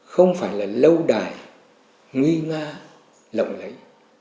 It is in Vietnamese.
không phải là lâu đài nguy nga lộng lấy